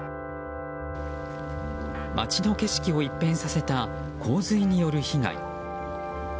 街の景色を一変させた洪水による被害。